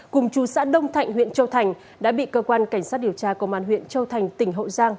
cùng chú xã đông thạnh huyện châu thành đã bị cơ quan cảnh sát điều tra công an huyện châu thành tỉnh hậu giang